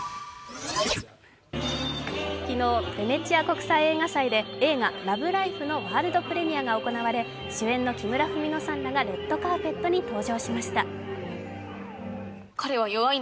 昨日、ヴェネチア国際映画祭で映画「ＬＯＶＥＬＩＦＥ」のワールドプレミアが行われ主演の木村文乃さんらがレッドカーペットに登場しました。